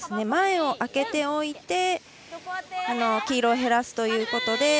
前を空けておいて黄色を減らすということで。